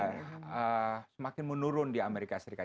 semakin menurun di amerika serikat